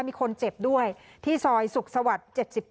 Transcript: มีคนเจ็บด้วยที่ซอยสุขสวรรค์๗๗